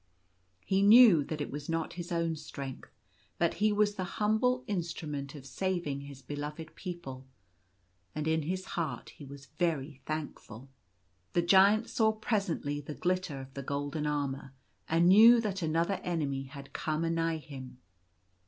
He knew that it was not his own strength, but that he was the humble instrument of saving his beloved people ; and in his heart he was very thankful. The Giant saw presently the glitter of the golden armour, and knew that another enemy had come anigh him.